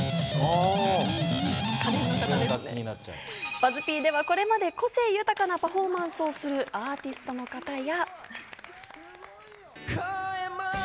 ＢＵＺＺ−Ｐではこれまで個性豊かなパフォーマンスをするアーティストの方や。